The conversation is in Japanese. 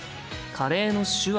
「カレー」の手話